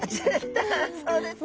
そうですね。